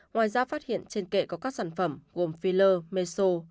ngoài ra phát hiện trên kệ có các sản phẩm gồm phi lơ meso